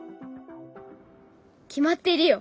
決まっているよ。